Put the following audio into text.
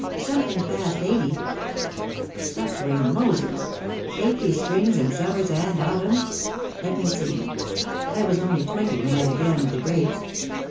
"Something past eighty." "Suffering Moses! Eighty Springs and Summers and Autumns! Let me see I was only twenty when I began with the grapes.